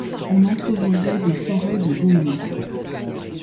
On entrevoyait des forêts de goëmons.